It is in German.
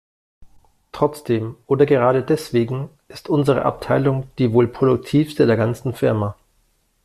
Trotzdem - oder gerade deswegen - ist unsere Abteilung die wohl produktivste der ganzen Firma.